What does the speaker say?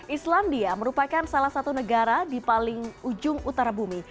islandia merupakan salah satu negara di paling ujung utara bumi